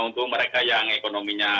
untuk mereka yang ekonominya